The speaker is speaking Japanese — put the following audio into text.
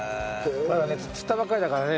まだ釣ったばかりだからね